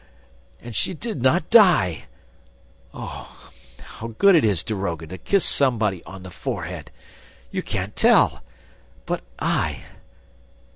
... And she did not die! ... Oh, how good it is, daroga, to kiss somebody on the forehead! ... You can't tell! ... But I!